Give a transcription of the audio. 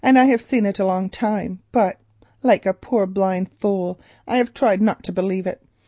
I have seen it a long time, but like a blind fool I have tried not to believe it.